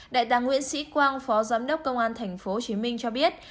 đại tá nguyễn sĩ quang phó giám đốc công an tp hcm cho biết